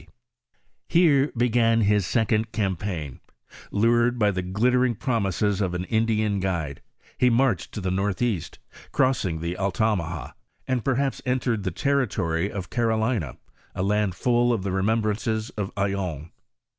90. /i' \ I \r xU HISTORY OF ^HE DISOOTBBT m Here began his second campaign ; lured by the glittering promises of an Indian gaide, he marched to the northeast, ci'ossing the Altamaha, and perhaps entered the territory of Carolina, a land full of remembrances of Ayllon.